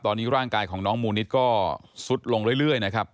ตอนนี้ร่างกายของน้องมูนิสก็สุดลงเรื่อยนะครับ